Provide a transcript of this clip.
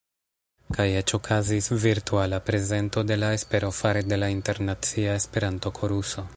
Kaj eĉ okazis virtuala prezento de La Espero fare de la Internacia Esperanto-Koruso.